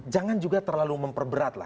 jangan juga terlalu memperberat